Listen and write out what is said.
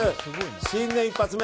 新年一発目。